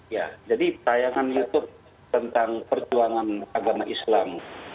ya jadi tayangan youtube tentang perjuangan agama islam